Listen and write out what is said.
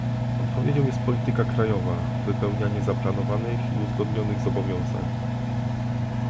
Odpowiedzią jest polityka krajowa, wypełnianie zaplanowanych i uzgodnionych zobowiązań